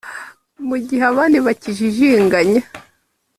mu gihe abandi bacyijijinganya